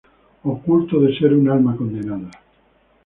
Oculto de ser un alma condenada.